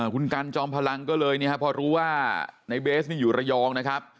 คุณกันจอมพลังก็เลยพอรู้ว่าในเบสนี่อยู่ระยองนะครับ